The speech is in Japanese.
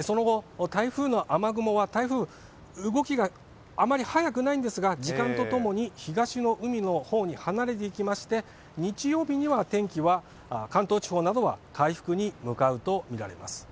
その後、台風の雨雲は、台風、動きがあまり速くないんですが、時間とともに東の海のほうに離れていきまして、日曜日には天気は、関東地方などは回復に向かうと見られます。